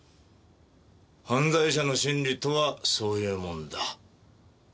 犯罪者の心理とはそういうもんだ。なぁ？